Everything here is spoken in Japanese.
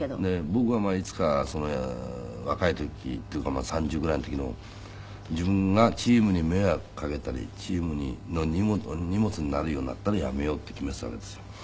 僕はまあいつか若い時というかまあ３０ぐらいの時の自分がチームに迷惑かけたりチームの荷物になるようになったら辞めようって決めてたわけですよ。